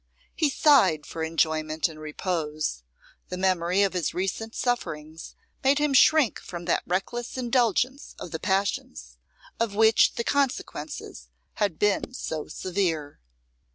He sighed for enjoyment and repose; the memory of his recent sufferings made him shrink from that reckless indulgence of the passions, of which the consequences had been so severe.